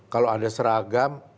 kalau ada seragam